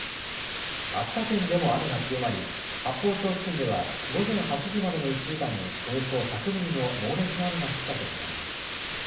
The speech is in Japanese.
秋田県でも雨が強まり八峰町付近では午前８時までの１時間におよそ１００ミリの猛烈な雨が降ったと見られます。